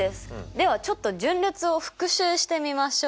ではちょっと順列を復習してみましょう。